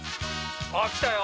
あきたよ！